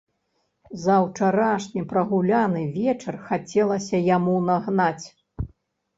За ўчарашні прагуляны вечар хацелася яму нагнаць.